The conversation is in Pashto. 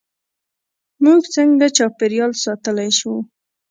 موږ څنګه چاپیریال ساتلی شو؟